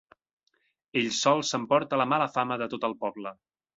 Ell sol s'emporta la mala fama de tot el poble.